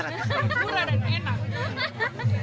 kurang dan enak